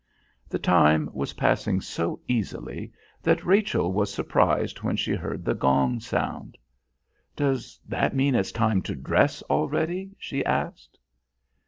The time was passing so easily that Rachel was surprised when she heard the gong sound. "Does that mean it's time to dress already?" she asked.